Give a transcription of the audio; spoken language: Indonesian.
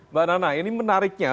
mbak nana ini menariknya